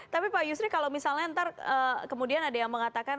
tapi pak yusri kalau misalnya nanti kemudian ada yang mengatakan